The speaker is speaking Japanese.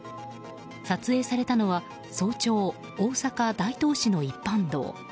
撮影されたのは早朝、大阪・大東市の一般道。